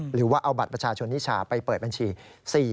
หรือว่าเอาบัตรประชาชนนิชาไปเปิดบัญชี